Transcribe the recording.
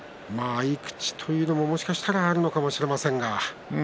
合い口というのはもしかしてあるのかもしれませんが。